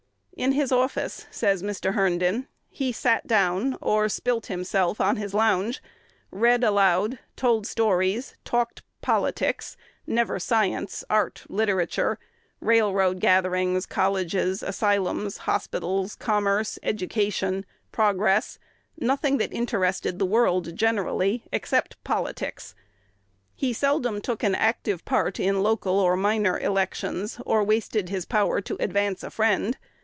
"In his office," says Mr. Herndon, "he sat down, or spilt himself, on his lounge, read aloud, told stories, talked politics, never science, art, literature, railroad gatherings, colleges, asylums, hospitals, commerce, education, progress, nothing that interested the world generally," except politics. He seldom took an active part in local or minor elections, or wasted his power to advance a friend.